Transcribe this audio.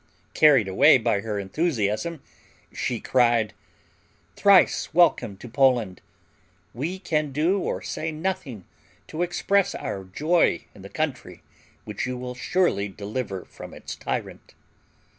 Carried away by her enthusiasm, she cried: "Thrice welcome to Poland! We can do or say nothing to express our joy in the country which you will surely deliver from its tyrant."